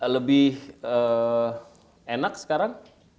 lebih enak sekarang